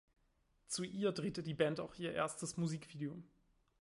Zu ihr drehte die Band auch ihr erstes Musikvideo.